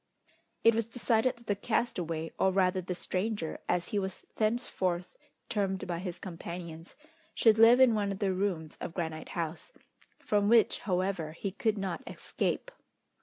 It was decided that the castaway, or rather the stranger, as he was thenceforth termed by his companions, should live in one of the rooms of Granite House, from which, however, he could not escape.